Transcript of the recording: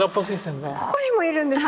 ここにもいるんですか。